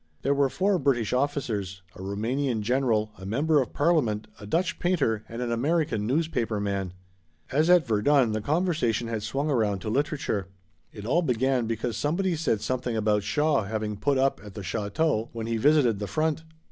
There were four British officers, a Roumanian general, a member of Parliament, a Dutch painter and an American newspaperman. As at Verdun the conversation had swung around to literature. It all began because somebody said something about Shaw having put up at the château when he visited the front.